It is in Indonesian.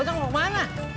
utang mau ke mana